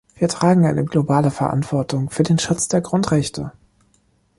Wir tragen eine globale Verantwortung für den Schutz der Grundrechte.